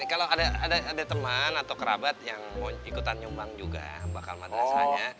kalau ada teman atau kerabat yang mau ikutan nyumbang juga bakal madrasahnya